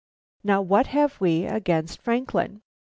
Now what have we against Franklin?